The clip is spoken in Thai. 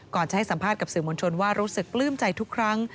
จะให้สัมภาษณ์กับสื่อมวลชนว่ารู้สึกปลื้มใจทุกครั้ง